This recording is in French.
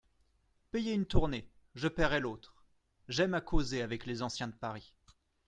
Payez une tournée, je paierai l'autre ; j'aime à causer avec les anciens de Paris.